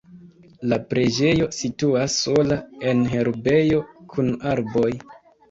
La preĝejo situas sola en herbejo kun arboj.